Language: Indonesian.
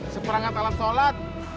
seperangkat alam sholat